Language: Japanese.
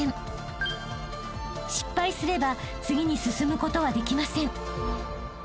［失敗すれば次に進むことはできません］